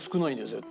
絶対。